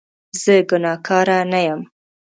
زه ګناکاره نه یم